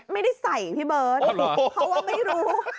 ไม่ได้ใส่พี่เบิร์ตเพราะว่าไม่รู้